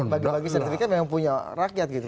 bagi bagi sertifikat memang punya rakyat gitu